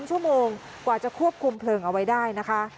ชั่วโมงกว่าจะควบคุมเพลิงเอาไว้ได้นะคะ